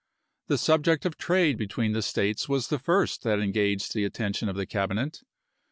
The subject of trade between the States was the first that engaged the attention of the Cabinet.